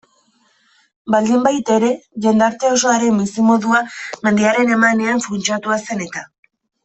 Baldinbaitere, jendarte osoaren bizimodua mendiaren emanean funtsatua zen eta.